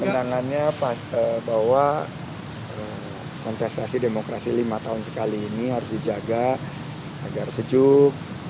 pandangannya bahwa kontestasi demokrasi lima tahun sekali ini harus dijaga agar sejuk